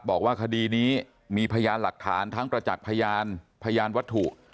บอกว่าคดีนี้มีพยานหลักฐานทั้งประจักษ์พยานพยานวัตถุ